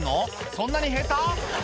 そんなに下手？」